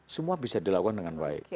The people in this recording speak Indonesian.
semua bisa dilakukan dengan baik